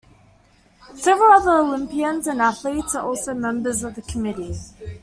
Several other Olympians and athletes are also members of the Committee.